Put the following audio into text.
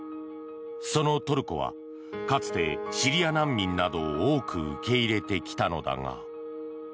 そのトルコはかつてシリア難民などを多く受け入れてきたのだが。